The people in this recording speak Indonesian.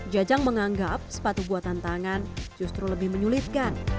jajang menganggap sepatu buatan tangan justru lebih menyulitkan